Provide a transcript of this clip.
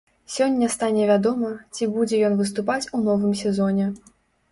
Сёння стане вядома, ці будзе ён выступаць у новым сезоне.